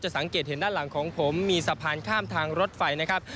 สังเกตเห็นด้านหลังของผมมีสะพานข้ามทางรถไฟนะครับ